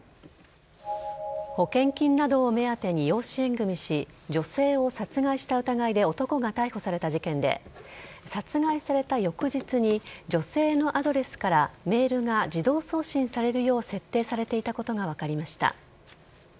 保険金などを目当てに養子縁組し女性を殺害した疑いで男が逮捕された事件で殺害された翌日に女性のアドレスからメールが自動送信されるよう設定されていたことが分かりました。